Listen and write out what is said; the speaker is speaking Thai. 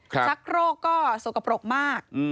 ชักโรคก็สกปรกมาก